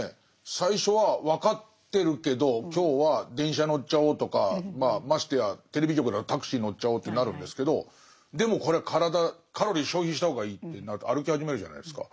最初は分かってるけど今日は電車乗っちゃおうとかましてやテレビ局だとタクシー乗っちゃおうってなるんですけどでもこれは体カロリー消費した方がいいってなると歩き始めるじゃないですか。